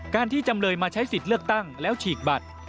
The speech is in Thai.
ที่จำเลยมาใช้สิทธิ์เลือกตั้งแล้วฉีกบัตร